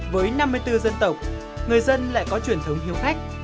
với năm mươi bốn dân tộc người dân lại có truyền thống hiếu khách